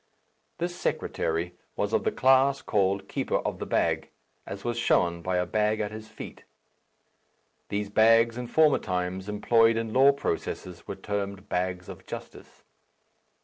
This secretary was of the class called keeper of the bag, as was shown by a bag at his feet. These bags, in former times employed in law processes, were termed bags of justice.